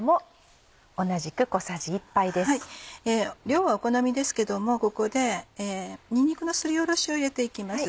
量はお好みですけどもここでにんにくのすりおろしを入れて行きます。